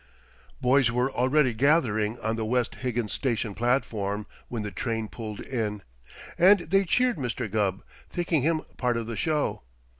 Boys were already gathering on the West Higgins station platform when the train pulled in, and they cheered Mr. Gubb, thinking him part of the show.